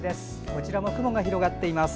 こちらも雲が広がっています。